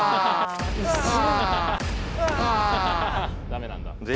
ダメなんだ